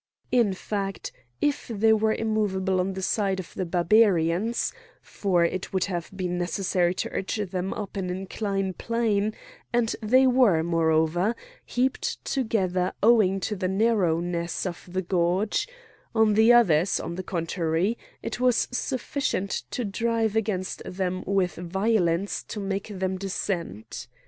In fact, if they were immovable on the side of the Barbarians—for it would have been necessary to urge them up an incline plane, and they were, moreover, heaped together owing to the narrowness of the gorge—on the others, on the contrary, it was sufficient to drive against them with violence to make them descend.